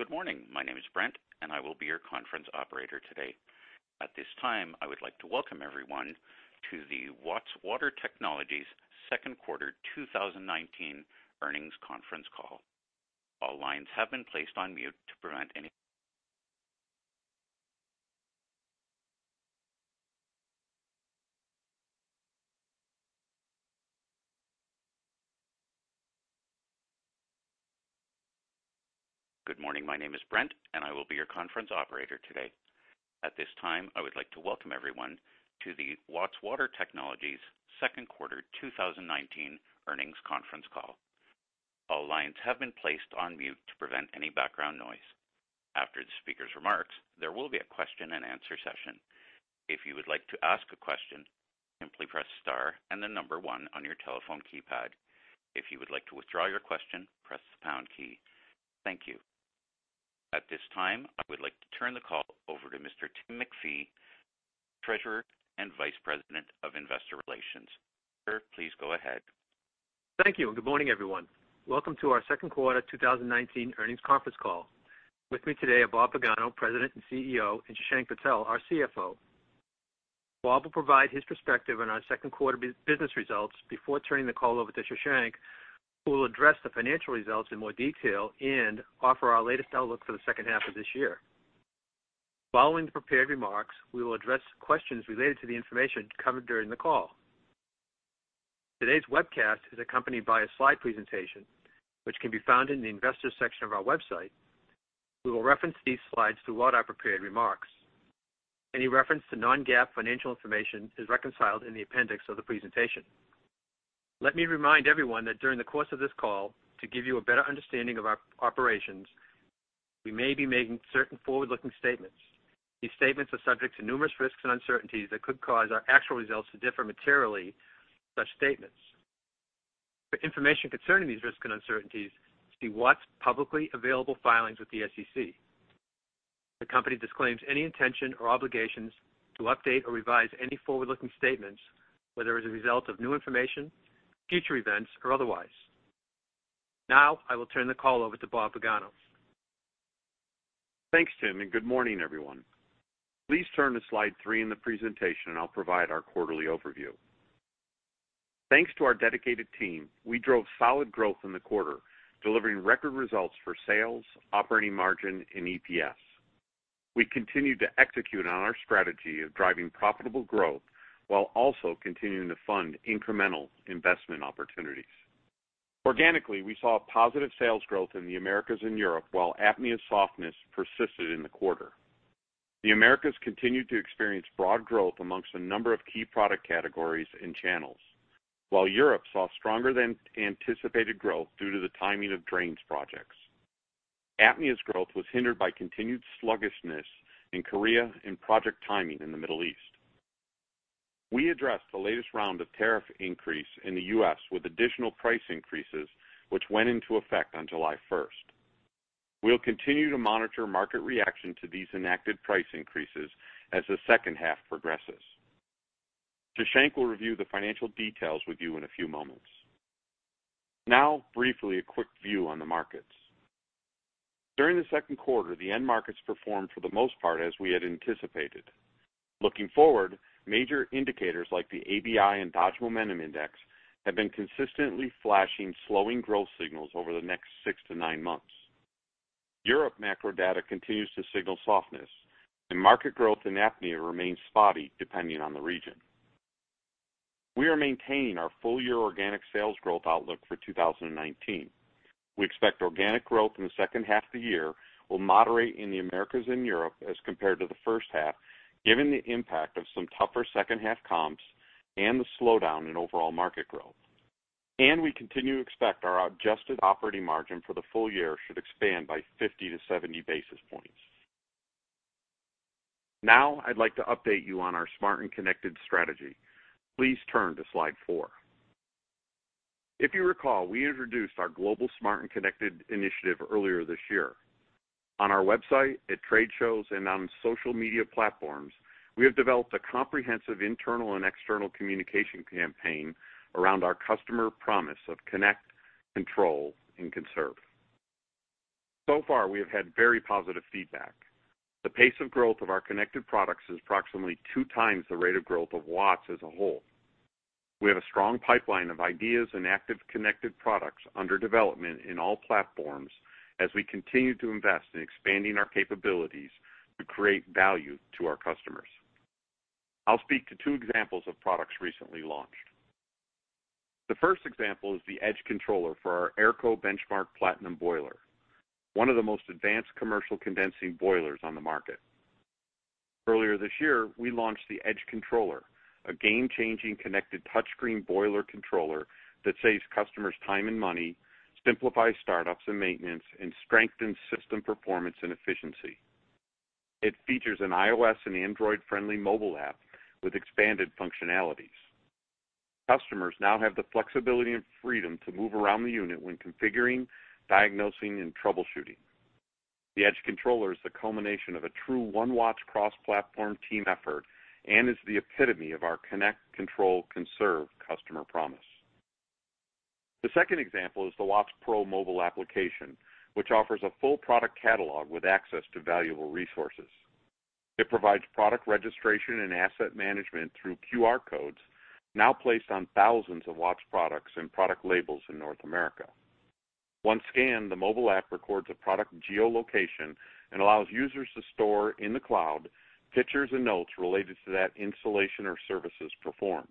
Good morning. My name is Brent, and I will be your conference operator today. At this time, I would like to welcome everyone to the Watts Water Technologies' second quarter 2019 earnings conference call. All lines have been placed on mute to prevent any background noise. After the speaker's remarks, there will be a question-and-answer session. If you would like to ask a question, simply press Star and the number One on your telephone keypad. If you would like to withdraw your question, press the Pound key. Thank you. At this time, I would like to turn the call over to Mr. Tim MacPhee, Treasurer and Vice President of Investor Relations. Sir, please go ahead. Thank you, and good morning, everyone. Welcome to our second quarter 2019 earnings conference call. With me today are Bob Pagano, President and CEO, and Shashank Patel, our CFO. Bob will provide his perspective on our second quarter business results before turning the call over to Shashank, who will address the financial results in more detail and offer our latest outlook for the second half of this year. Following the prepared remarks, we will address questions related to the information covered during the call. Today's webcast is accompanied by a slide presentation, which can be found in the Investors section of our website. We will reference these slides throughout our prepared remarks. Any reference to non-GAAP financial information is reconciled in the appendix of the presentation. Let me remind everyone that during the course of this call, to give you a better understanding of our operations, we may be making certain forward-looking statements. These statements are subject to numerous risks and uncertainties that could cause our actual results to differ materially from such statements. For information concerning these risks and uncertainties, see Watts' publicly available filings with the SEC. The company disclaims any intention or obligations to update or revise any forward-looking statements, whether as a result of new information, future events, or otherwise. Now, I will turn the call over to Bob Pagano. Thanks, Tim, and good morning, everyone. Please turn to slide 3 in the presentation, and I'll provide our quarterly overview. Thanks to our dedicated team, we drove solid growth in the quarter, delivering record results for sales, operating margin, and EPS. We continued to execute on our strategy of driving profitable growth while also continuing to fund incremental investment opportunities. Organically, we saw a positive sales growth in the Americas and Europe, while APMEA's softness persisted in the quarter. The Americas continued to experience broad growth among a number of key product categories and channels, while Europe saw stronger than anticipated growth due to the timing of Drains projects. APMEA's growth was hindered by continued sluggishness in Korea and project timing in the Middle East. We addressed the latest round of tariff increase in the US with additional price increases, which went into effect on July first. We'll continue to monitor market reaction to these enacted price increases as the second half progresses. Shashank will review the financial details with you in a few moments. Now, briefly, a quick view on the markets. During the second quarter, the end markets performed, for the most part, as we had anticipated. Looking forward, major indicators like the ABI and Dodge Momentum Index have been consistently flashing slowing growth signals over the next six to nine months. Europe macro data continues to signal softness, and market growth in APMEA remains spotty, depending on the region. We are maintaining our full-year organic sales growth outlook for 2019. We expect organic growth in the second half of the year will moderate in the Americas and Europe as compared to the first half, given the impact of some tougher second-half comps and the slowdown in overall market growth. We continue to expect our adjusted operating margin for the full year should expand by 50-70 basis points. Now, I'd like to update you on our Smart & Connected strategy. Please turn to slide 4. If you recall, we introduced our global Smart & Connected initiative earlier this year. On our website, at trade shows, and on social media platforms, we have developed a comprehensive internal and external communication campaign around our customer promise of Connect, Control, and Conserve. So far, we have had very positive feedback. The pace of growth of our connected products is approximately 2 times the rate of growth of Watts as a whole. We have a strong pipeline of ideas and active connected products under development in all platforms as we continue to invest in expanding our capabilities to create value to our customers. I'll speak to two examples of products recently launched. The first example is the Edge Controller for our AERCO Benchmark Platinum Boiler, one of the most advanced commercial condensing boilers on the market. Earlier this year, we launched the Edge Controller, a game-changing, connected touchscreen boiler controller that saves customers time and money, simplifies startups and maintenance, and strengthens system performance and efficiency. It features an iOS and Android-friendly mobile app with expanded functionalities. Customers now have the flexibility and freedom to move around the unit when configuring, diagnosing, and troubleshooting. The Edge Controller is the culmination of a true One Watts cross-platform team effort and is the epitome of our connect, control, conserve customer promise....The second example is the Watts Pro mobile application, which offers a full product catalog with access to valuable resources. It provides product registration and asset management through QR codes, now placed on thousands of Watts products and product labels in North America. Once scanned, the mobile app records a product geolocation and allows users to store in the cloud, pictures and notes related to that installation or services performed.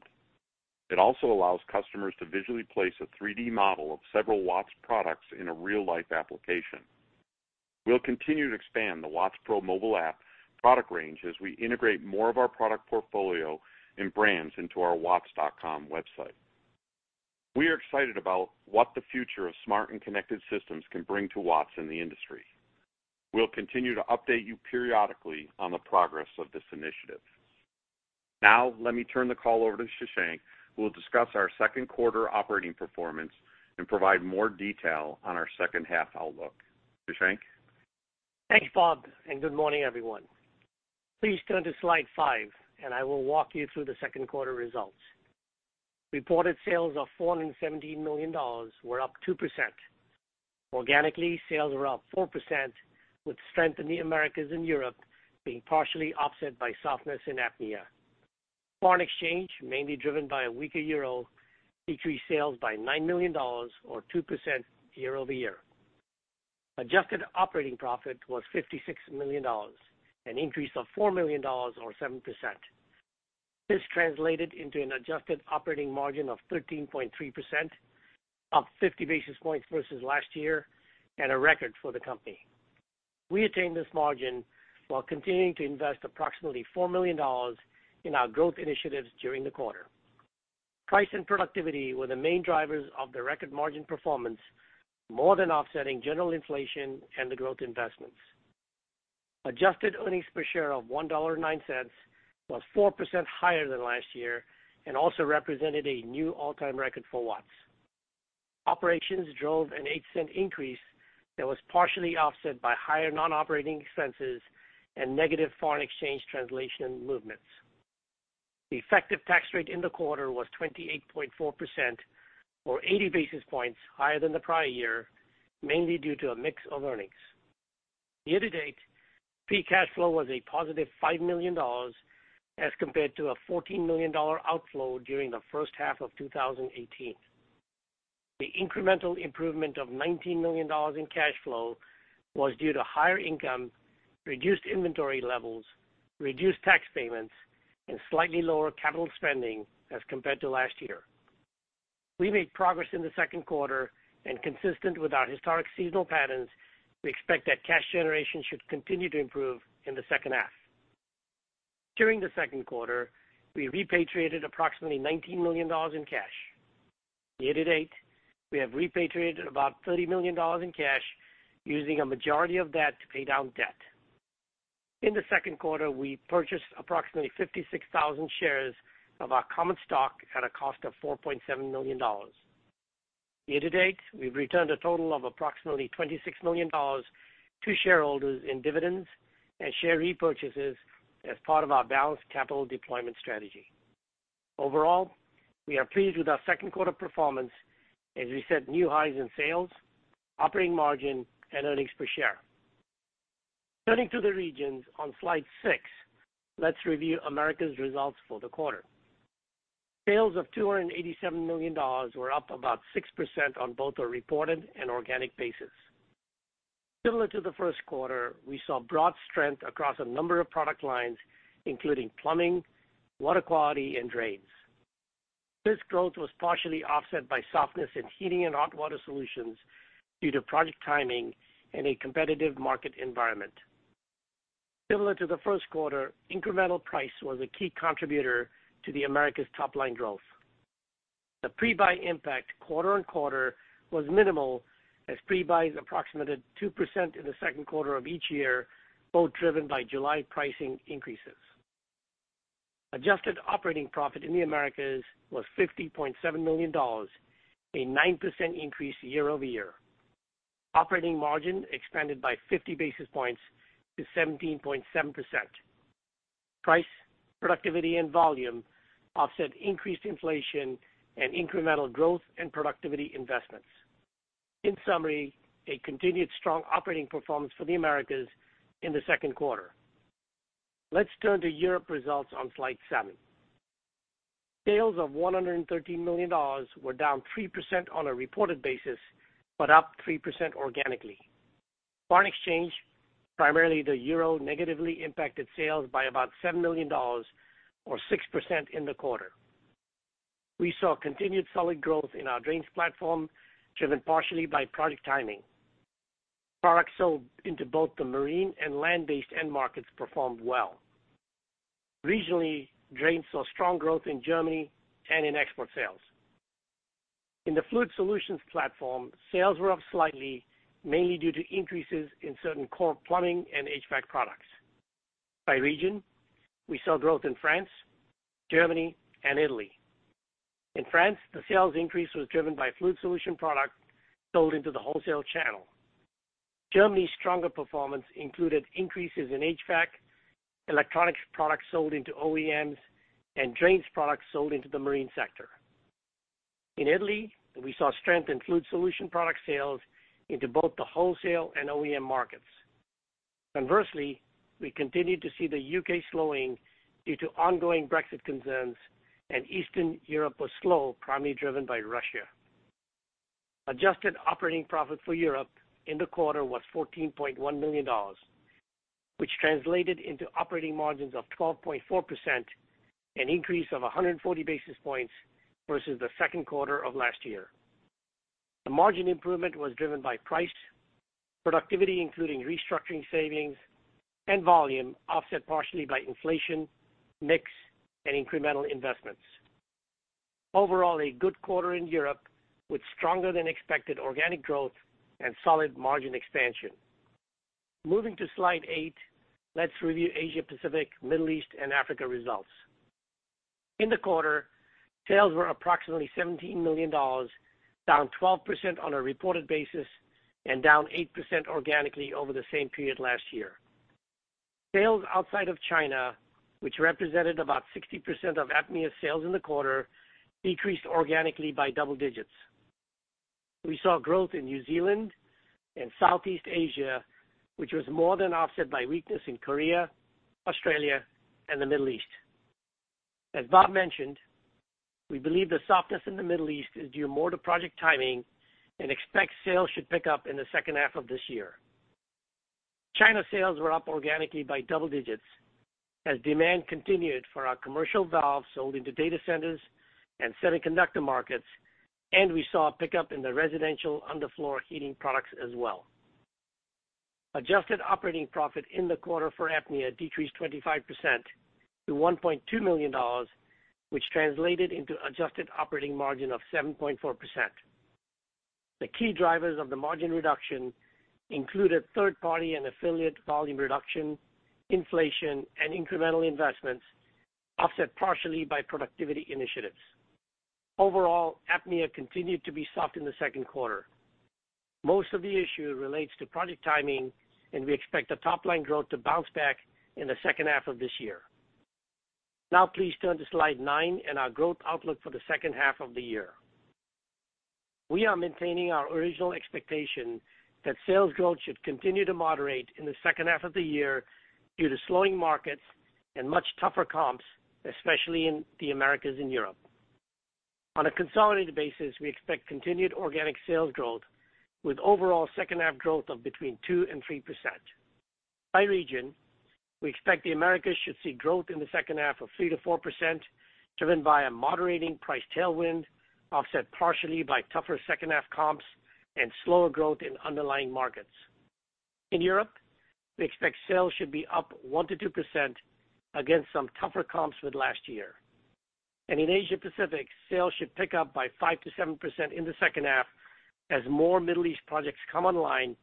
It also allows customers to visually place a 3D model of several Watts products in a real-life application. We'll continue to expand the Watts Pro mobile app product range as we integrate more of our product portfolio and brands into our Watts.com website. We are excited about what the future of Smart and Connected systems can bring to Watts and the industry. We'll continue to update you periodically on the progress of this initiative. Now, let me turn the call over to Shashank, who will discuss our second quarter operating performance and provide more detail on our second half outlook. Shashank? Thanks, Bob, and good morning, everyone. Please turn to slide 5, and I will walk you through the second quarter results. Reported sales of $417 million were up 2%. Organically, sales were up 4%, with strength in the Americas and Europe being partially offset by softness in APMEA. Foreign exchange, mainly driven by a weaker euro, decreased sales by $9 million or 2% year-over-year. Adjusted operating profit was $56 million, an increase of $4 million or 7%. This translated into an adjusted operating margin of 13.3%, up 50 basis points versus last year and a record for the company. We attained this margin while continuing to invest approximately $4 million in our growth initiatives during the quarter. Price and productivity were the main drivers of the record margin performance, more than offsetting general inflation and the growth investments. Adjusted earnings per share of $1.09 was 4% higher than last year and also represented a new all-time record for Watts. Operations drove an $0.08 increase that was partially offset by higher non-operating expenses and negative foreign exchange translation movements. The effective tax rate in the quarter was 28.4%, or 80 basis points higher than the prior year, mainly due to a mix of earnings. Year to date, free cash flow was a positive $5 million, as compared to a $14 million outflow during the first half of 2018. The incremental improvement of $19 million in cash flow was due to higher income, reduced inventory levels, reduced tax payments, and slightly lower capital spending as compared to last year. We made progress in the second quarter and consistent with our historic seasonal patterns, we expect that cash generation should continue to improve in the second half. During the second quarter, we repatriated approximately $19 million in cash. Year to date, we have repatriated about $30 million in cash, using a majority of that to pay down debt. In the second quarter, we purchased approximately 56,000 shares of our common stock at a cost of $4.7 million. Year to date, we've returned a total of approximately $26 million to shareholders in dividends and share repurchases as part of our balanced capital deployment strategy. Overall, we are pleased with our second quarter performance as we set new highs in sales, operating margin, and earnings per share. Turning to the regions on slide six, let's review Americas results for the quarter. Sales of $287 million were up about 6% on both a reported and organic basis. Similar to the first quarter, we saw broad strength across a number of product lines, including Plumbing, Water Quality, and Drains. This growth was partially offset by softness in Heating and Hot Water Solutions due to product timing and a competitive market environment. Similar to the first quarter, incremental price was a key contributor to the Americas top line growth. The pre-buy impact quarter on quarter was minimal, as pre-buy is approximated 2% in the second quarter of each year, both driven by July pricing increases. Adjusted operating profit in the Americas was $50.7 million, a 9% increase year-over-year. Operating margin expanded by 50 basis points to 17.7%. Price, productivity, and volume offset increased inflation and incremental growth and productivity investments. In summary, a continued strong operating performance for the Americas in the second quarter. Let's turn to Europe results on slide 7. Sales of $113 million were down 3% on a reported basis, but up 3% organically. Foreign exchange, primarily the euro, negatively impacted sales by about $7 million or 6% in the quarter. We saw continued solid growth in our Drains platform, driven partially by product timing. Products sold into both the marine and land-based end markets performed well. Regionally, drains saw strong growth in Germany and in export sales. In the Fluid Solutions platform, sales were up slightly, mainly due to increases in certain core Plumbing and HVAC products. By region, we saw growth in France, Germany, and Italy. In France, the sales increase was driven by Fluid Solution product sold into the wholesale channel. Germany's stronger performance included increases in HVAC, electronics products sold into OEMs, and drains products sold into the marine sector. In Italy, we saw strength in Fluid Solution product sales into both the wholesale and OEM markets. Conversely, we continued to see the UK slowing due to ongoing Brexit concerns, and Eastern Europe was slow, primarily driven by Russia. Adjusted operating profit for Europe in the quarter was $14.1 million, which translated into operating margins of 12.4%, an increase of 140 basis points versus the second quarter of last year. The margin improvement was driven by price, productivity, including restructuring savings, and volume, offset partially by inflation, mix, and incremental investments. Overall, a good quarter in Europe, with stronger-than-expected organic growth and solid margin expansion. Moving to Slide 8, let's review Asia Pacific, Middle East, and Africa results. In the quarter, sales were approximately $17 million, down 12% on a reported basis and down 8% organically over the same period last year. Sales outside of China, which represented about 60% of APMEA's sales in the quarter, decreased organically by double digits. We saw growth in New Zealand and Southeast Asia, which was more than offset by weakness in Korea, Australia, and the Middle East. As Bob mentioned, we believe the softness in the Middle East is due more to project timing and expect sales should pick up in the second half of this year. China sales were up organically by double digits as demand continued for our commercial valves sold into data centers and semiconductor markets, and we saw a pickup in the residential underfloor heating products as well. Adjusted operating profit in the quarter for APMEA decreased 25% to $1.2 million, which translated into adjusted operating margin of 7.4%. The key drivers of the margin reduction included third-party and affiliate volume reduction, inflation, and incremental investments, offset partially by productivity initiatives. Overall, APMEA continued to be soft in the second quarter. Most of the issue relates to project timing, and we expect the top line growth to bounce back in the second half of this year. Now please turn to Slide 9 and our growth outlook for the second half of the year. We are maintaining our original expectation that sales growth should continue to moderate in the second half of the year due to slowing markets and much tougher comps, especially in the Americas and Europe. On a consolidated basis, we expect continued organic sales growth, with overall second half growth of between 2% and 3%. By region, we expect the Americas should see growth in the second half of 3%-4%, driven by a moderating price tailwind, offset partially by tougher second half comps and slower growth in underlying markets. In Europe, we expect sales should be up 1%-2% against some tougher comps with last year. In Asia Pacific, sales should pick up by 5%-7% in the second half as more Middle East projects come online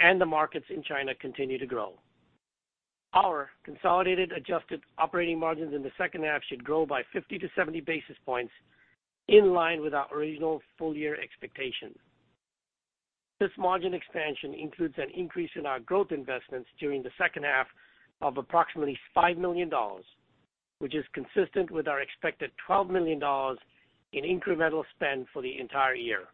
and the markets in China continue to grow. Our consolidated adjusted operating margins in the second half should grow by 50-70 basis points, in line with our original full-year expectation. This margin expansion includes an increase in our growth investments during the second half of approximately $5 million, which is consistent with our expected $12 million in incremental spend for the entire year.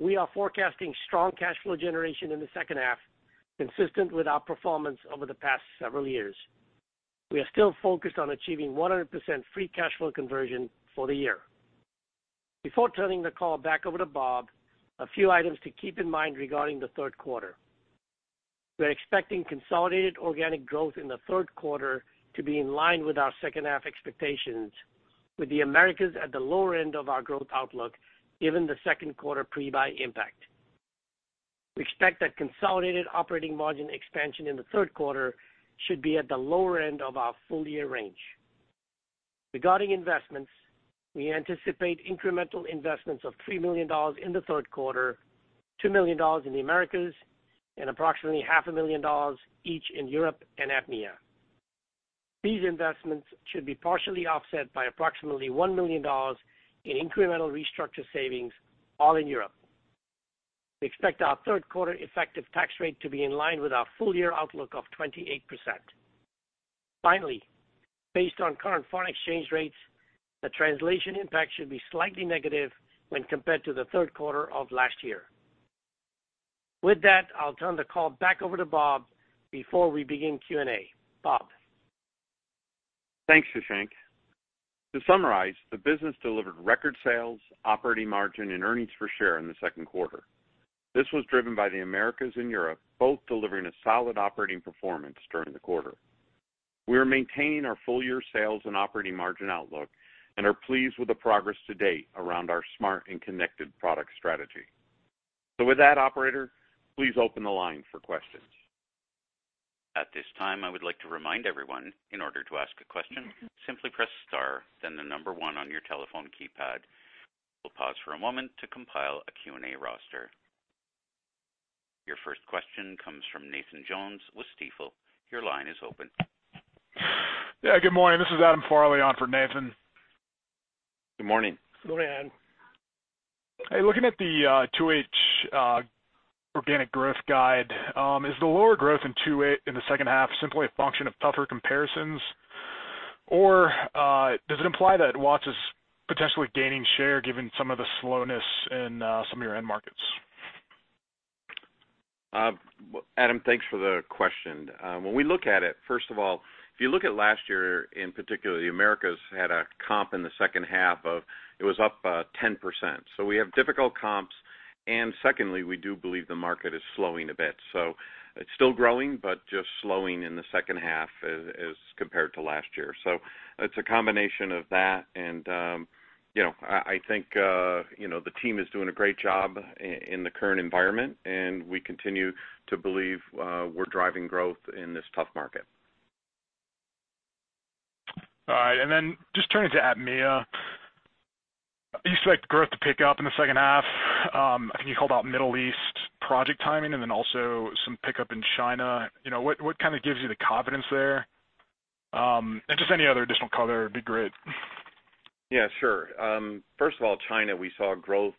We are forecasting strong cash flow generation in the second half, consistent with our performance over the past several years. We are still focused on achieving 100% free cash flow conversion for the year. Before turning the call back over to Bob, a few items to keep in mind regarding the third quarter. We're expecting consolidated organic growth in the third quarter to be in line with our second half expectations, with the Americas at the lower end of our growth outlook, given the second quarter pre-buy impact. We expect that consolidated operating margin expansion in the third quarter should be at the lower end of our full-year range. Regarding investments, we anticipate incremental investments of $3 million in the third quarter, $2 million in the Americas, and approximately $500,000 each in Europe and APMEA. These investments should be partially offset by approximately $1 million in incremental restructure savings, all in Europe. We expect our third quarter effective tax rate to be in line with our full-year outlook of 28%. Finally, based on current foreign exchange rates, the translation impact should be slightly negative when compared to the third quarter of last year. With that, I'll turn the call back over to Bob before we begin Q&A. Bob? Thanks, Shashank. To summarize, the business delivered record sales, operating margin, and earnings per share in the second quarter. This was driven by the Americas and Europe, both delivering a solid operating performance during the quarter. We are maintaining our full-year sales and operating margin outlook and are pleased with the progress to date around our Smart and Connected product strategy. So with that, operator, please open the line for questions. At this time, I would like to remind everyone, in order to ask a question, simply press star, then the number 1 on your telephone keypad. We'll pause for a moment to compile a Q&A roster. Your first question comes from Nathan Jones with Stifel. Your line is open. Yeah, good morning. This is Adam Farley on for Nathan. Good morning. Good morning, Adam. Hey, looking at the 2H organic growth guide, is the lower growth in 2A in the second half simply a function of tougher comparisons? Or, does it imply that Watts is potentially gaining share given some of the slowness in some of your end markets? Adam, thanks for the question. When we look at it, first of all, if you look at last year, in particular, the Americas had a comp in the second half of... It was up 10%. So we have difficult comps, and secondly, we do believe the market is slowing a bit. So it's still growing, but just slowing in the second half as compared to last year. So it's a combination of that, and, you know, I think, you know, the team is doing a great job in the current environment, and we continue to believe we're driving growth in this tough market. All right. And then just turning to APMEA, you expect growth to pick up in the second half. I think you called out Middle East project timing and then also some pickup in China. You know, what, what kind of gives you the confidence there? And just any other additional color would be great. Yeah, sure. First of all, China, we saw growth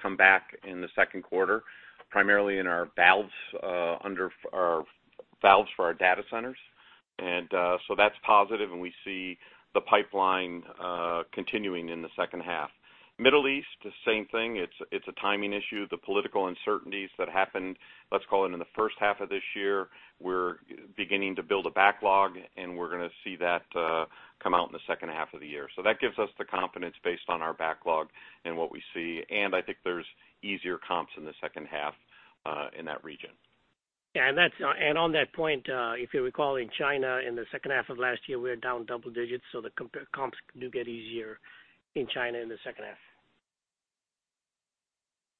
come back in the second quarter, primarily in our valves under our valves for our data centers. And so that's positive, and we see the pipeline continuing in the second half. Middle East, the same thing, it's a timing issue. The political uncertainties that happened, let's call it in the first half of this year, we're beginning to build a backlog, and we're gonna see that come out in the second half of the year. So that gives us the confidence based on our backlog and what we see, and I think there's easier comps in the second half in that region. Yeah, and on that point, if you recall, in China, in the second half of last year, we were down double digits, so the comps do get easier in China in the second half.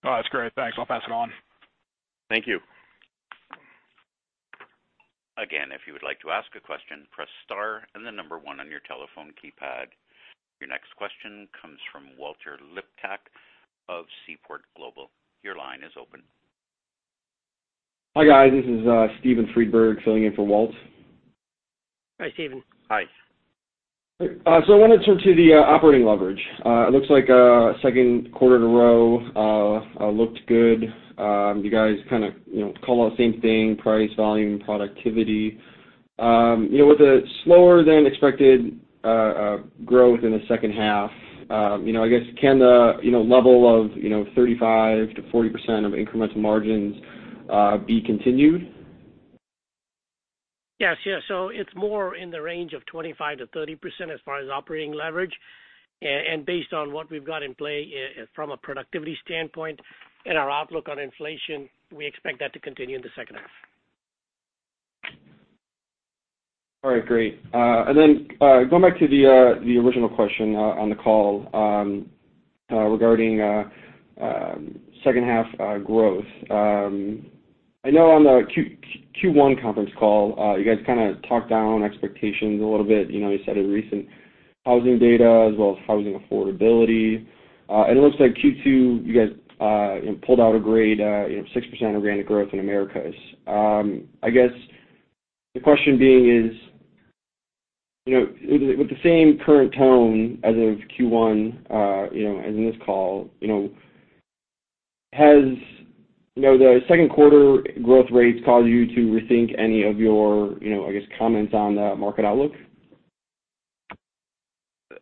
Oh, that's great. Thanks. I'll pass it on. Thank you. Again, if you would like to ask a question, press star and then number one on your telephone keypad. Your next question comes from Walter Liptak of Seaport Global. Your line is open. Hi, guys. This is Stephen Friedberg filling in for Walt. Hi, Steven. Hi. So I wanted to turn to the operating leverage. It looks like second quarter in a row looked good. You guys kind of, you know, call out the same thing, price, volume, productivity. You know, with a slower than expected growth in the second half, you know, I guess, can the level of, you know, 35%-40% of incremental margins be continued? Yes. Yes. So it's more in the range of 25%-30% as far as operating leverage. And based on what we've got in play from a productivity standpoint and our outlook on inflation, we expect that to continue in the second half. All right, great. And then, going back to the original question on the call, regarding second half growth. I know on the Q1 conference call, you guys kind of talked down expectations a little bit. You know, you said in recent housing data as well as housing affordability. And it looks like Q2, you guys pulled out a great, you know, 6% organic growth in Americas. I guess the question being is, you know, with the same current tone as of Q1, you know, as in this call, you know, has the second quarter growth rates caused you to rethink any of your, you know, I guess, comments on the market outlook?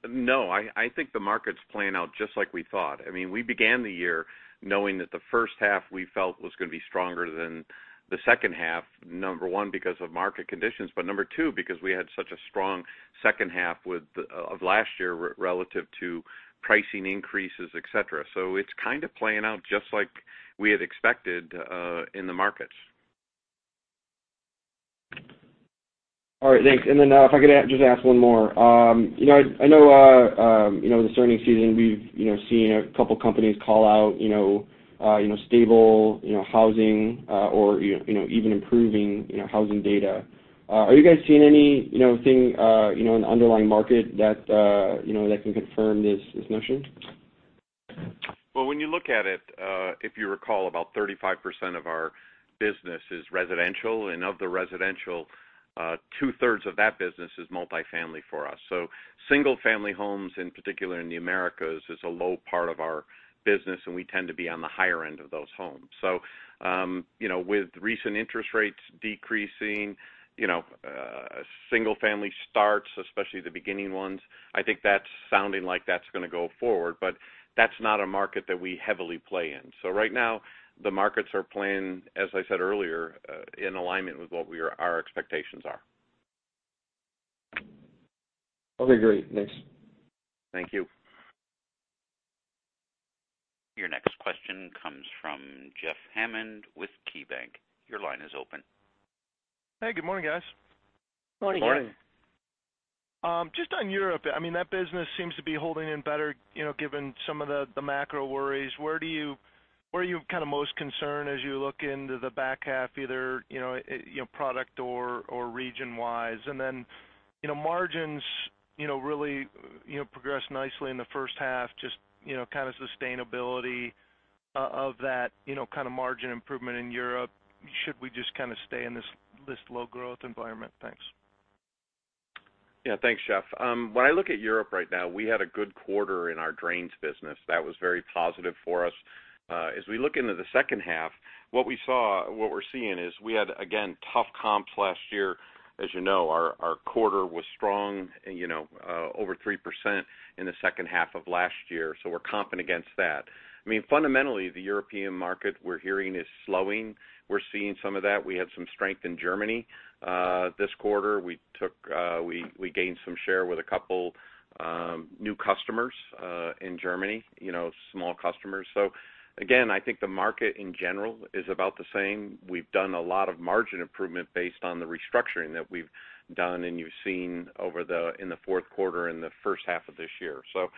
No, I, I think the market's playing out just like we thought. I mean, we began the year knowing that the first half we felt was gonna be stronger than the second half, number one, because of market conditions, but number two, because we had such a strong second half of last year relative to pricing increases, et cetera. So it's kind of playing out just like we had expected in the markets. All right, thanks. And then, if I could just ask one more. You know, I know, you know, in the earnings season, we've, you know, seen a couple companies call out, you know, stable, you know, housing, or, you know, even improving, you know, housing data. Are you guys seeing any, you know, thing, you know, an underlying market that, you know, that can confirm this, this notion? Well, when you look at it, if you recall, about 35% of our business is residential, and of the residential, two-thirds of that business is multifamily for us. So single family homes, in particular in the Americas, is a low part of our business, and we tend to be on the higher end of those homes. So, you know, with recent interest rates decreasing, you know, single family starts, especially the beginning ones, I think that's sounding like that's gonna go forward, but that's not a market that we heavily play in. So right now, the markets are playing, as I said earlier, in alignment with what our expectations are. Okay, great. Thanks. Thank you. Your next question comes from Jeff Hammond with KeyBanc. Your line is open. Hey, good morning, guys. Good morning. Good morning. Just on Europe, I mean, that business seems to be holding in better, you know, given some of the macro worries. Where are you kind of most concerned as you look into the back half, either, you know, product or region-wise? And then, you know, margins, you know, really, you know, progressed nicely in the first half, just, you know, kind of sustainability.... of that, you know, kind of margin improvement in Europe, should we just kind of stay in this low growth environment? Thanks. Yeah. Thanks, Jeff. When I look at Europe right now, we had a good quarter in our drains business. That was very positive for us. As we look into the second half, what we're seeing is we had, again, tough comps last year. As you know, our quarter was strong, you know, over 3% in the second half of last year, so we're comping against that. I mean, fundamentally, the European market, we're hearing, is slowing. We're seeing some of that. We had some strength in Germany. This quarter, we gained some share with a couple new customers in Germany, you know, small customers. So again, I think the market in general is about the same. We've done a lot of margin improvement based on the restructuring that we've done, and you've seen in the fourth quarter and the first half of this year. So,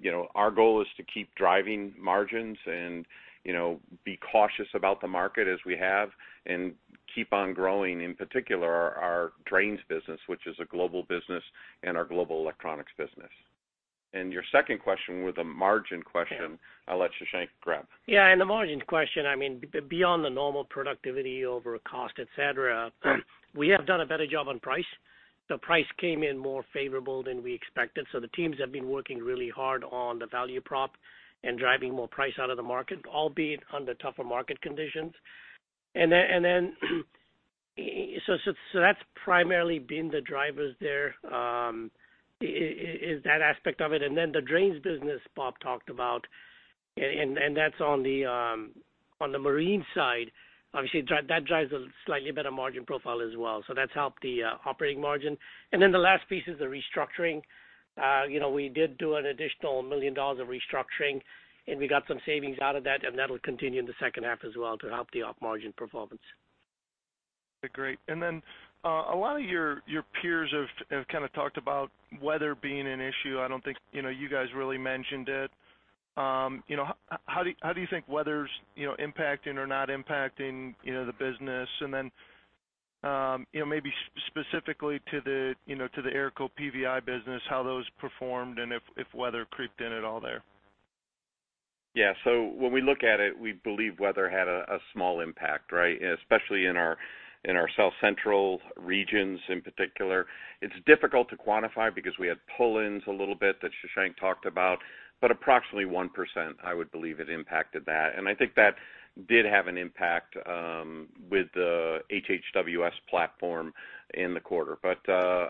you know, our goal is to keep driving margins and, you know, be cautious about the market as we have and keep on growing, in particular, our drains business, which is a global business and our global electronics business. And your second question was a margin question. Yeah. I'll let Shashank grab. Yeah, in the margin question, I mean, beyond the normal productivity over cost, et cetera, we have done a better job on price. The price came in more favorable than we expected, so the teams have been working really hard on the value prop and driving more price out of the market, albeit under tougher market conditions. And then, so that's primarily been the drivers there, is that aspect of it, and then the drains business Bob talked about, and that's on the marine side. Obviously, that drives a slightly better margin profile as well, so that's helped the operating margin. And then the last piece is the restructuring. You know, we did do an additional $1 million of restructuring, and we got some savings out of that, and that'll continue in the second half as well to help the op margin performance. Okay, great. And then, a lot of your peers have kind of talked about weather being an issue. I don't think, you know, you guys really mentioned it. You know, how do you think weather's impacting or not impacting the business? And then, you know, maybe specifically to the AERCO PVI business, how those performed and if weather crept in at all there. Yeah. So when we look at it, we believe weather had a small impact, right? Especially in our South Central regions in particular. It's difficult to quantify because we had pull-ins a little bit, that Shashank talked about, but approximately 1%, I would believe, it impacted that. And I think that did have an impact with the HHWS platform in the quarter. But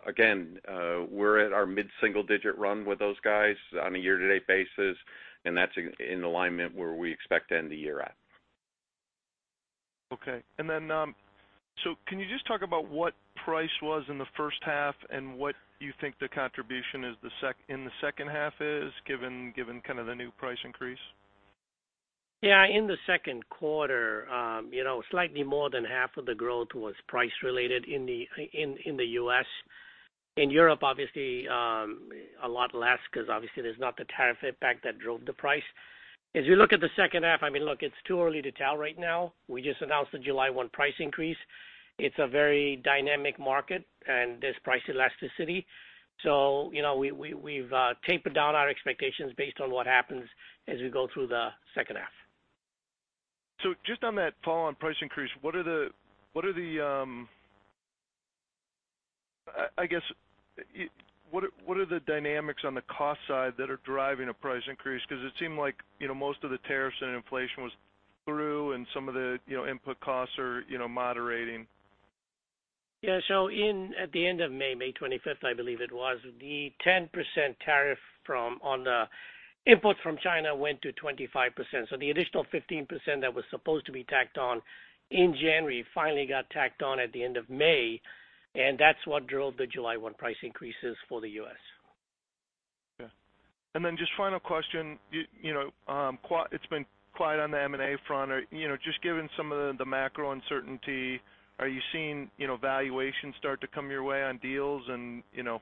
again, we're at our mid-single digit run with those guys on a year-to-date basis, and that's in alignment where we expect to end the year at. Okay. And then, so can you just talk about what price was in the first half and what you think the contribution is in the second half, given kind of the new price increase? Yeah. In the second quarter, you know, slightly more than half of the growth was price related in the U.S. In Europe, obviously, a lot less, because obviously there's not the tariff impact that drove the price. As you look at the second half, I mean, look, it's too early to tell right now. We just announced the July 1 price increase. It's a very dynamic market and there's price elasticity. So, you know, we've tapered down our expectations based on what happens as we go through the second half. So just on that follow-on price increase, what are the dynamics on the cost side that are driving a price increase? Because it seemed like, you know, most of the tariffs and inflation was through and some of the, you know, input costs are, you know, moderating. Yeah. So in, at the end of May, May 25th, I believe it was, the 10% tariff from, on the imports from China went to 25%. So the additional 15% that was supposed to be tacked on in January, finally got tacked on at the end of May, and that's what drove the July 1 price increases for the U.S. Yeah. Then just final question, you know, it's been quiet on the M&A front. You know, just given some of the macro uncertainty, are you seeing, you know, valuations start to come your way on deals? And, you know,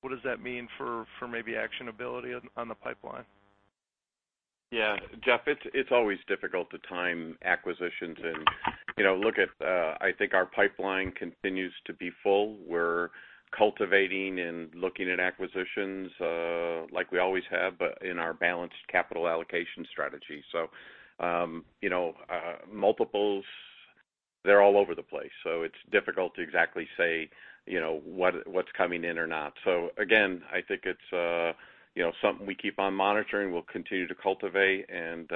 what does that mean for maybe actionability on the pipeline? Yeah, Jeff, it's always difficult to time acquisitions. And, you know, I think our pipeline continues to be full. We're cultivating and looking at acquisitions, like we always have, but in our balanced capital allocation strategy. So, you know, multiples, they're all over the place, so it's difficult to exactly say, you know, what, what's coming in or not. So again, I think it's, you know, something we keep on monitoring. We'll continue to cultivate and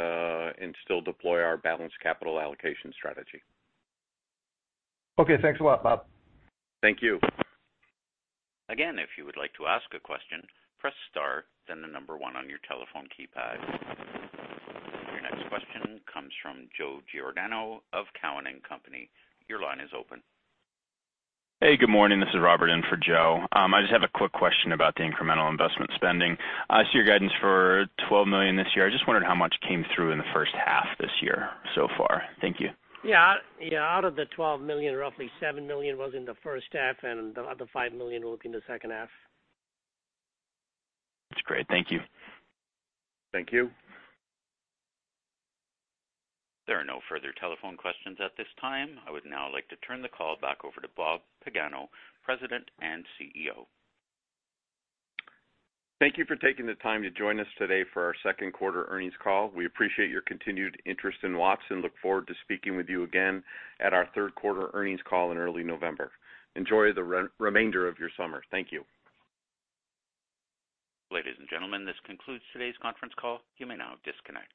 still deploy our balanced capital allocation strategy. Okay. Thanks a lot, Bob. Thank you. Again, if you would like to ask a question, press star, then the number one on your telephone keypad. Your next question comes from Joe Giordano of Cowen and Company. Your line is open. Hey, good morning. This is Robert in for Joe. I just have a quick question about the incremental investment spending. I see your guidance for $12 million this year. I just wondered how much came through in the first half this year so far. Thank you. Yeah. Yeah, out of the $12 million, roughly $7 million was in the first half, and the other $5 million will be in the second half. That's great. Thank you. Thank you. There are no further telephone questions at this time. I would now like to turn the call back over to Bob Pagano, President and CEO. Thank you for taking the time to join us today for our second quarter earnings call. We appreciate your continued interest in Watts, and look forward to speaking with you again at our third quarter earnings call in early November. Enjoy the remainder of your summer. Thank you. Ladies and gentlemen, this concludes today's conference call. You may now disconnect.